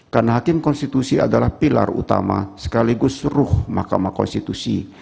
karena hakim konstitusi adalah pilar utama sekaligus ruh mahkamah konstitusi